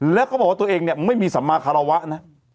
แล้วก็บอกว่าตัวเองเนี่ยไม่มีสัมมาคารวะนะ